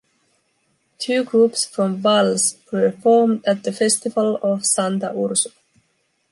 Two groups from Valls performed at the festival of Santa Úrsula.